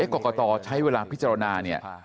กรกตใช้เวลาพิจารณาเนี่ย